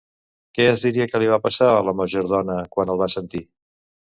Què es diria que li va passar a la majordona quan el va sentir?